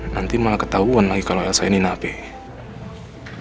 nanti malah ketahuan lagi kalau elsa ini nafih